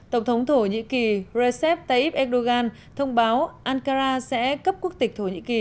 tổng thống thổ nhĩ kỳ recep tayyip erdogan thông báo ankara sẽ cấp quốc tịch thổ nhĩ kỳ